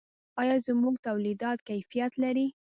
آیا زموږ تولیدات کیفیت لري؟